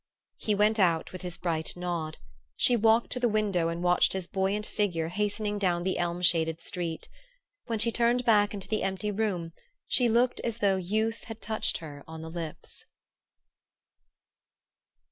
He went out with his bright nod. She walked to the window and watched his buoyant figure hastening down the elm shaded street. When she turned back into the empty room she looked as though youth had touched her on the lips.